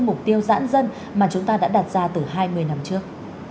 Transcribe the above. mục tiêu giãn dân mà chúng ta đã đặt ra từ hai mươi năm trước